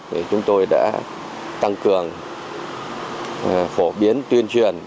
thì chúng tôi đã tăng cường phổ biến tuyên truyền